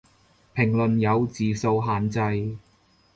評論有字數限制